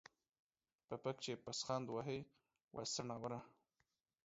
په پک چې پوسخند وهې ، وا څوڼوره.